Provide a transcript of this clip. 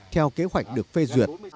theo kế hoạch được phê duyệt